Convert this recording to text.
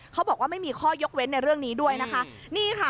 เขาบอกว่าไม่มีข้อยกเว้นในเรื่องนี้ด้วยนะคะนี่ค่ะ